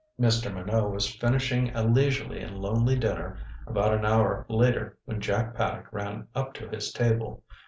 Mr. Minot was finishing a leisurely and lonely dinner about an hour later when Jack Paddock ran up to his table.